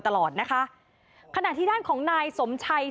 ทีนี้จากรายทื่อของคณะรัฐมนตรี